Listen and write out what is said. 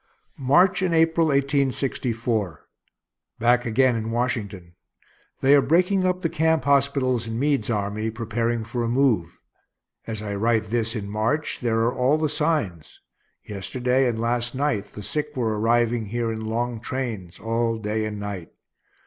March and April, 1864. Back again in Washington. They are breaking up the camp hospitals in Meade's army, preparing for a move. As I write this, in March, there are all the signs. Yesterday and last night the sick were arriving here in long trains, all day and night.